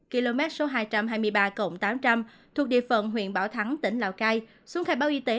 km số hai trăm hai mươi ba tám trăm linh thuộc địa phận huyện bảo thắng tỉnh lào cai xuống khai báo y tế